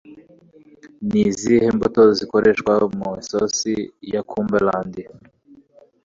Ni izihe mbuto zikoreshwa mu isosi ya Cumberland?